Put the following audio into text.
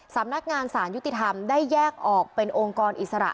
สำนักงานสารยุติธรรมได้แยกออกเป็นองค์กรอิสระ